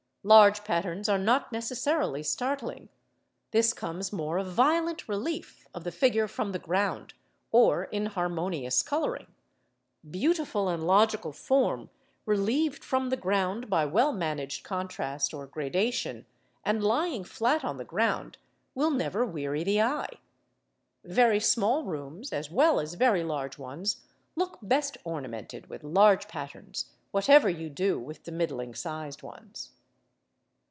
Large patterns are not necessarily startling; this comes more of violent relief of the figure from the ground, or inharmonious colouring: beautiful and logical form relieved from the ground by well managed contrast or gradation, and lying flat on the ground, will never weary the eye. Very small rooms, as well as very large ones, look best ornamented with large patterns, whatever you do with the middling sized ones.